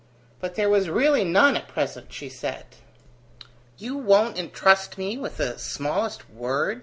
But there was really none at present, she said. "You won't entrust me with the smallest word?"